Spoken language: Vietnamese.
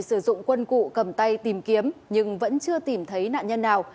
sử dụng quân cụ cầm tay tìm kiếm nhưng vẫn chưa tìm thấy nạn nhân nào